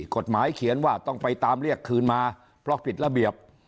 กฎหมายเขียนว่าต้องไปตามเรียกคืนมาเพราะผิดระเบียบ